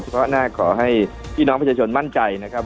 เพราะหน้าขอให้พี่น้องประชาชนมั่นใจนะครับ